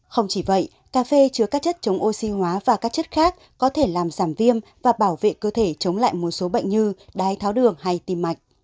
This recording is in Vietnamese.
không chỉ vậy cà phê chứa các chất chống oxy hóa và các chất khác có thể làm giảm viêm và bảo vệ cơ thể chống lại một số bệnh như đái tháo đường hay tim mạch